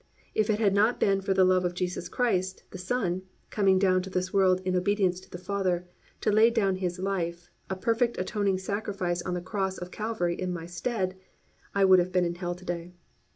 If it had not been for the love of Jesus Christ, the Son, coming down to this world in obedience to the Father to lay down His life, a perfect atoning sacrifice on the cross of Cavalry in my stead, I would have been in hell to day.